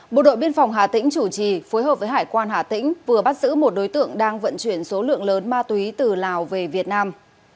bộ đội biên phòng hà tĩnh chủ trì phối hợp với hải quan hà tĩnh vừa bắt giữ một đối tượng đang vận chuyển số lượng lớn ma túy từ lào về việt nam